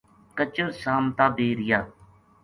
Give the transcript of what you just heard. کچر سامتا بے رہیا